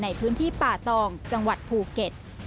ในพื้นที่ป่าตองจังหวัดภูเก็ต